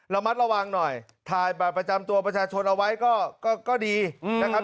ระมัดระวังหน่อยถ่ายบัตรประจำตัวประชาชนเอาไว้ก็ดีนะครับ